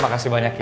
makasih banyak im